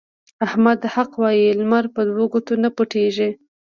احمده! حق وايه؛ لمر په دوو ګوتو نه پټېږي.